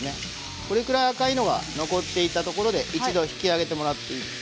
これぐらい赤いのが残っていたところで一度引き上げてもらっていいです。